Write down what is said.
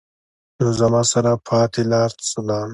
نو زما سره پاتې لار څۀ ده ؟